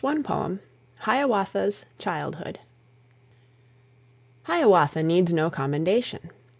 ALFRED TENNYSON. HIAWATHA'S CHILDHOOD. "Hiawatha" needs no commendation.